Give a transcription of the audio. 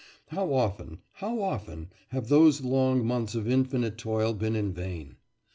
How often, how often, have those long months of infinite toil been in vain!